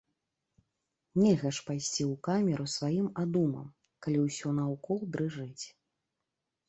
Нельга ж пайсці ў камеру сваім адумам, калі ўсё наўкол дрыжыць.